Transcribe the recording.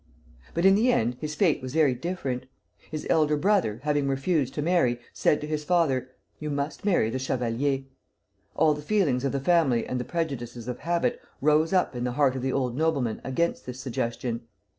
But in the end his fate was very different. His elder brother, having refused to marry, said to his father: 'You must marry the Chevalier.' All the feelings of the family and the prejudices of habit rose up in the heart of the old nobleman against this suggestion.